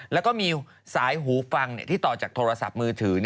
แล้วก็มีสายหูฟังที่ต่อจากโทรศัพท์มือถือ